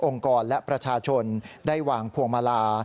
กรและประชาชนได้วางพวงมาลา